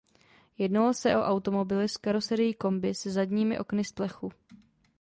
Jednalo se o automobily s karoserií kombi se zadními okny z plechu.